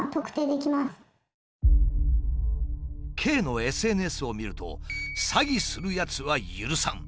ＫのＳＮＳを見ると「詐欺する奴は許さん」